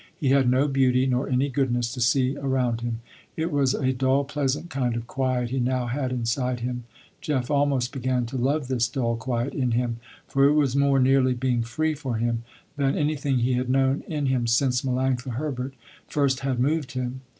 He had no beauty nor any goodness to see around him. It was a dull, pleasant kind of quiet he now had inside him. Jeff almost began to love this dull quiet in him, for it was more nearly being free for him than anything he had known in him since Melanctha Herbert first had moved him.